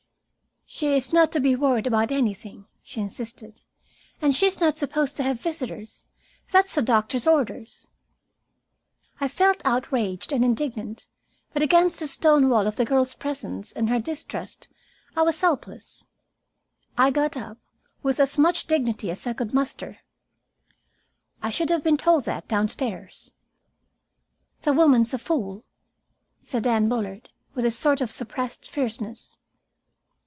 "She is not to be worried about anything," she insisted. "And she's not supposed to have visitors. That's the doctor's orders." I felt outraged and indignant, but against the stone wall of the girl's presence and her distrust I was helpless. I got up, with as much dignity as I could muster. "I should have been told that downstairs." "The woman's a fool," said Anne Bullard, with a sort of suppressed fierceness.